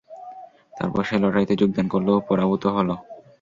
তারপর সে লটারীতে যোগদান করল ও পরাভূত হল।